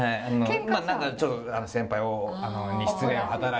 何かちょっと先輩に失礼を働いて。